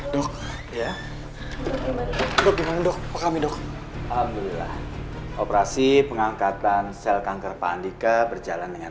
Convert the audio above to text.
dok dok dok dok apa kami dok alhamdulillah operasi pengangkatan sel kanker pandika berjalan dengan